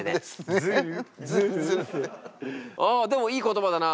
あでもいい言葉だな。